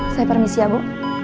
saya permisi ya bu